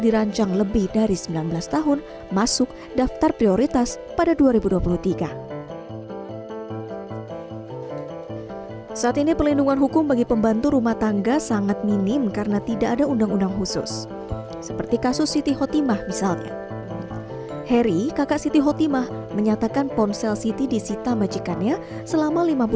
orang tua korban mengatakan tidak menyangka